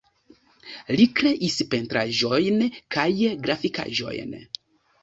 Li kreis pentraĵojn kaj grafikaĵojn.